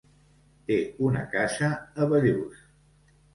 Té una casa a Bellús.